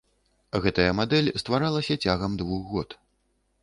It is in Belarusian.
Гэтая мадэль стваралася цягам двух год.